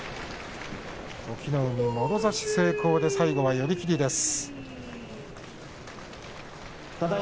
隠岐の海、もろ差し成功で最後は寄り切りです。